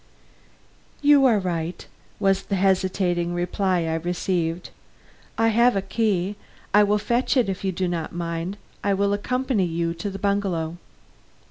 "You are right," was the hesitating reply I received. "I have a key; I will fetch it and if you do not mind, I will accompany you to the bungalow."